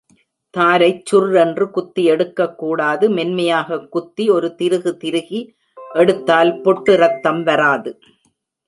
தாரைச் sure என்று குத்தி எடுக்கக்கூடாது மென்மையாகக் குத்தி ஒரு திருகு திருகி எடுத்தால் பொட்டு ரத்தம் வராது.